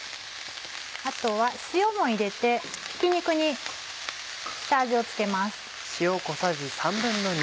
あとは塩も入れてひき肉に下味を付けます。